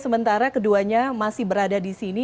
sementara keduanya masih berada di sini